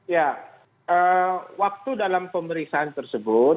ya waktu dalam pemeriksaan tersebut